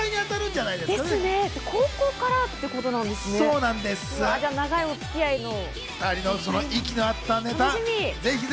じゃあ、長いお付き合いの。